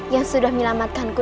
yang sudah menyelamatkan ku